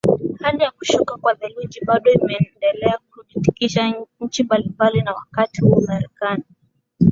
hali ya kushuka kwa theluji bado imendelea kuitikisa nchi mbalimbali na wakati huo marekani